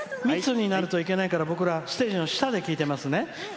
密になるといけないから僕ら、ステージの下で聴いてますね。